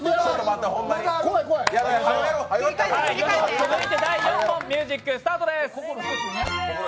続いて第４問、ミュージックスタートです。